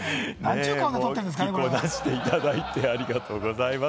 出していただいて、ありがとうございます。